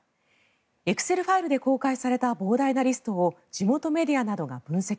エクセルファイルで公開された膨大なリストを地元メディアなどが分析。